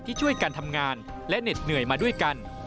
ที่ช่วยกันทำงานและเหน็ดเหนื่อยมาด้วยกัน